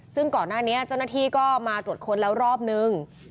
ซึ่งก่อนหน้านี้เจ้าหน้าที่ก็มาตรวจค้นแล้วรอบนึง